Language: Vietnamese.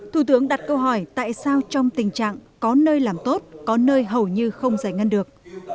thủ tướng đặt câu hỏi tại sao trong tình trạng có nơi làm tốt có nơi hầu như không giải ngân được